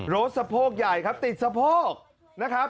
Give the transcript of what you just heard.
สะโพกใหญ่ครับติดสะโพกนะครับ